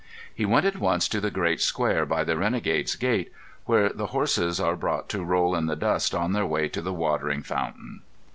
He went at once to the great square by the Renegade's Gate, where the horses are brought to roll in the dust on their way to the watering fountain.